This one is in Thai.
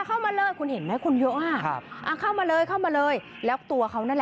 เขาก็ไม่ยอมด้วย